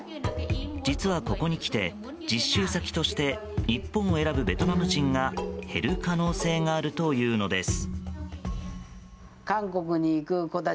実は、ここに来て実習先として日本を選ぶベトナム人が減る可能性があるというのです。